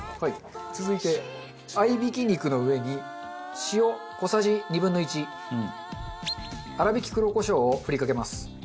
続いて合いびき肉の上に塩小さじ２分の１粗びき黒コショウを振りかけます。